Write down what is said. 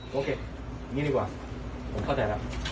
หงีดีกว่าเข้าใจแล้ว